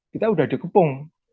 kita udah dikepung